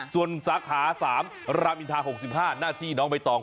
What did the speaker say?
ส่วนสาขา๓รามอินทา๖๕หน้าที่น้องใบตอง